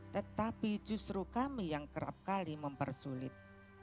tetapi justru kami yang kerap kali mempersulit